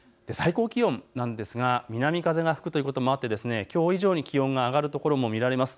最高気温なんですが南風が吹くということもあってきょう以上に気温が上がるところも見られます。